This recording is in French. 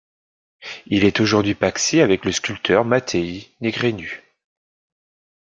Il est aujourd'hui pacsé avec le sculpteur Matei Negreanu.